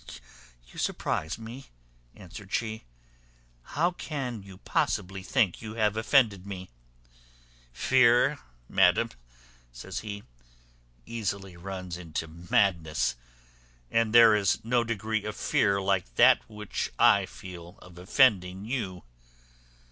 "You surprize me," answered she. "How can you possibly think you have offended me?" "Fear, madam," says he, "easily runs into madness; and there is no degree of fear like that which I feel of offending you.